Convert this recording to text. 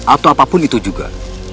atau apapun itu juga